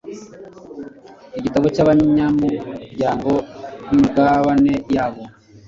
igitabo cy'abanyamuryango n'imigabane yabo